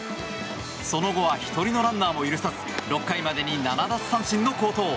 その後は１人のランナーも許さず６回までに７奪三振の好投。